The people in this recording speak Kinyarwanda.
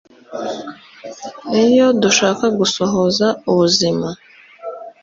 Iyo dushaka gusuhuza ubuzima